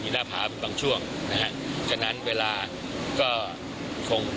มีหน้าผาบางช่วงฉะนั้นเวลาก็คง